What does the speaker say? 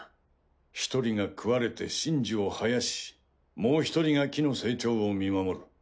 １人が食われて神樹を生やしもう１人が木の成長を見守る。